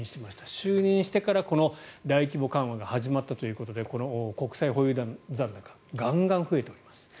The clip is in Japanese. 就任してから大規模緩和が始まったということで国債保有残高ガンガン増えております。